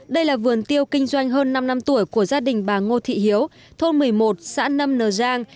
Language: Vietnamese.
đây là vườn tiêu kinh doanh hơn năm năm tuổi của gia đình bà ngô thị hiếu thôn một mươi một xã nâm nờ giang